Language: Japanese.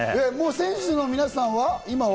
選手の皆さんは今は？